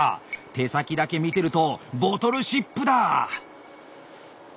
手先だけ見てるとボトルシップだ！